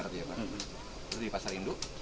terus di pasar induk